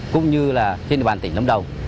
cũng như là trên địa bàn tỉnh lâm đồng